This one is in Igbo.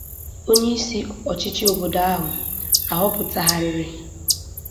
onyeisi ọchịchị obodo ahụ a họpụtagharịrị